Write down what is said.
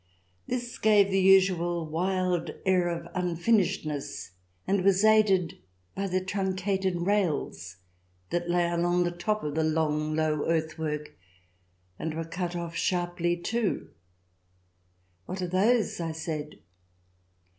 This gave the usual wild air of unfinishedness, and it was aided by the trun cated rails that lay along the top of the long, low earthwork, and were cut off sharply too. ...•• What are those ?" I said.